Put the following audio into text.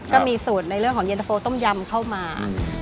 ก็มีสูตรในเรื่องของเย็นตะโฟต้มยำเข้ามา